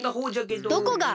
どこが！